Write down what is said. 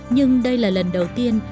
nhưng đây là lần đầu tiên